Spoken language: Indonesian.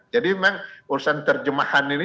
jadi memang urusan terjemahan ini